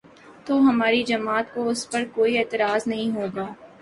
تو ہماری جماعت کو اس پر کوئی اعتراض نہیں ہو گا۔